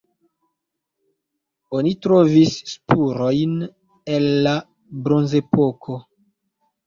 Oni trovis spurojn el la bronzepoko.